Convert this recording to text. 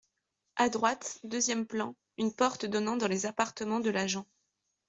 À droite, deuxième plan, une porte donnant dans les appartements de l’Agent.